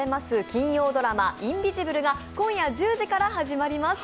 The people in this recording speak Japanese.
金曜ドラマ「インビジブル」が今夜１０時から始まります。